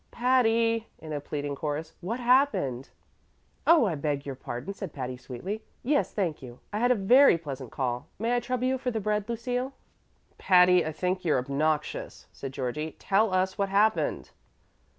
"Patty!" in a pleading chorus, "what happened?" "Oh, I beg your pardon," said Patty, sweetly. "Yes, thank you, I had a very pleasant call. May I trouble you for the bread, Lucille?" "Patty, I think you're obnoxious," said Georgie. "Tell us what happened."